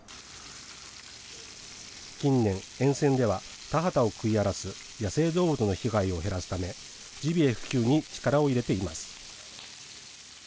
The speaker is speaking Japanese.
近年、沿線では田畑を食い荒らす野生動物の被害を減らすため、ジビエ普及に力を入れています。